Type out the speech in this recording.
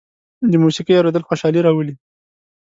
د موسيقۍ اورېدل خوشالي راولي.